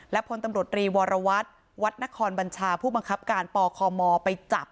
และพนธวรวัฒว์วัตท์นครบัญชาผู้บังคับการปครมไปจับ